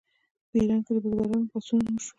په ایران کې د بزګرانو پاڅونونه وشول.